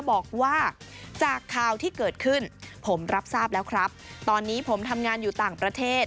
บอกว่าจากข่าวที่เกิดขึ้นผมรับทราบแล้วครับตอนนี้ผมทำงานอยู่ต่างประเทศ